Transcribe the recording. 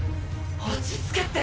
落ち着けって！